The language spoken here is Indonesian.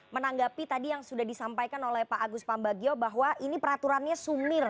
menanggapi tadi yang sudah disampaikan oleh pak agus pambagio bahwa ini peraturannya sumir